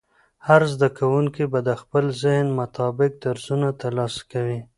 هر زده کوونکی به د خپل ذهن مطابق درسونه ترلاسه کوي.